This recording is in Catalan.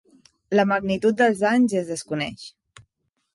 La magnitud dels danys es desconeix.